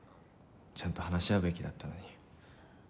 ちゃんと話し合うべきだったのに。